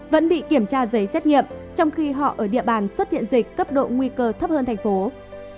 vẫn bị kiểm tra giấy xét nghiệm trong khi họ ở địa bàn xuất hiện dịch cấp độ nguy cơ thấp hơn thành phố